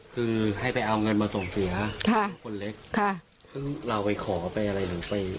คือให้ไปเอาเงินมาส่งเสียค่ะคนเล็กค่ะซึ่งเราไปขอไปอะไรหรือไป